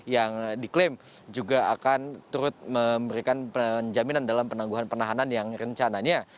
yang diklaim juga akan terus memberikan penjaminan dalam penangguhan penahanan yang rencananya